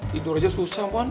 tidur aja susah mon